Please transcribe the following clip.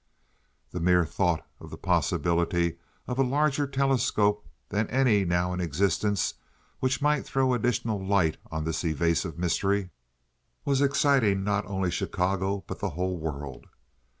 The mere thought of the possibility of a larger telescope than any now in existence, which might throw additional light on this evasive mystery, was exciting not only Chicago, but the whole world.